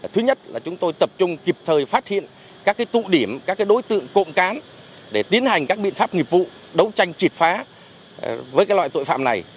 thứ nhất là chúng tôi tập trung kịp thời phát hiện các tụ điểm các đối tượng cộng cán để tiến hành các biện pháp nghiệp vụ đấu tranh triệt phá với loại tội phạm này